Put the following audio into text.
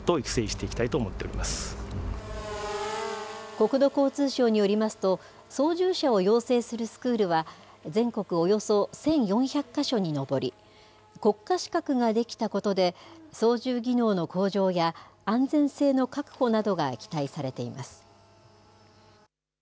国土交通省によりますと、操縦者を養成するスクールは、全国およそ１４００か所に上り、国家資格が出来たことで、操縦技能の向上や、安全性の確保などが期待されています。